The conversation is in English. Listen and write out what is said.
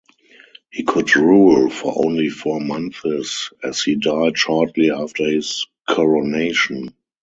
He could rule for only four months, as he died shortly after his coronation.